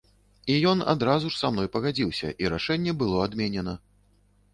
І ён адразу ж са мной пагадзіўся, і рашэнне было адменена.